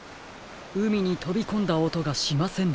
うみにとびこんだおとがしませんでしたね。